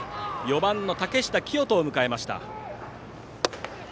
４番の竹下聖人を迎えます。